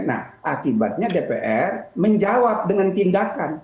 nah akibatnya dpr menjawab dengan tindakan